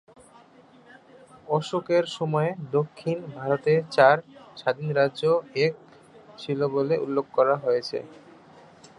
অশোকের সময়ে দক্ষিণ ভারতে চার স্বাধীন রাজ্য এক ছিল বলে উল্লেখ করা হয়েছে।